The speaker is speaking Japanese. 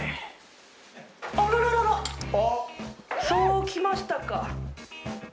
そうきましたか。